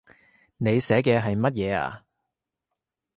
你寫嘅係乜嘢呀